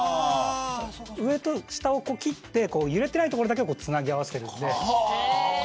上と下を切って揺れていない所だけをつなぎ合わせているので。